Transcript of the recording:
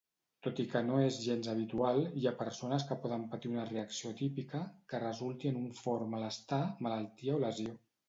Tot i que no és gens habitual, hi ha persones que poden patir una reacció atípica, que resulti en un fort malestar, malaltia o lesió.